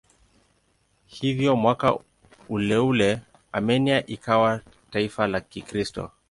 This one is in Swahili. Hivyo mwaka uleule Armenia ikawa taifa la Kikristo.